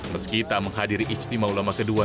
meski tak menghadiri istimewa ulama kedua